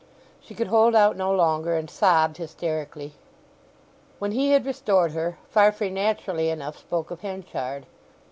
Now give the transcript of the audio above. She could hold out no longer, and sobbed hysterically. When he had restored her Farfrae naturally enough spoke of Henchard.